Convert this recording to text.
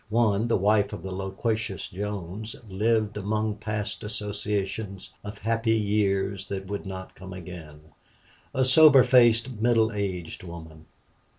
One, the wife of the loquacious Jones, lived among past associations of happy years that would not come again a sober faced, middle aged woman.